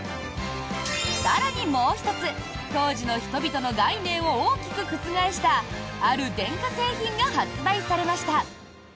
更にもう１つ当時の人々の概念を大きく覆したある電化製品が発売されました。